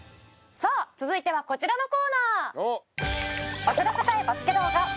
さあ続いてはこちらのコーナー！